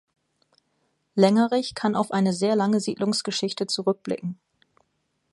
Lengerich kann auf eine sehr lange Siedlungsgeschichte zurückblicken.